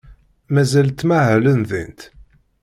Mazal ttmahalent din?